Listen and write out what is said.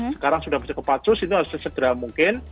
sekarang sudah bercekap pacus itu harus sesederhan mungkin